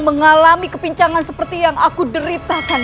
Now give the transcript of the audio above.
mengalami kepincangan seperti yang aku deritakan